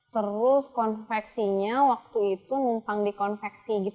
terus konveksinya waktu itu numpang di konveksi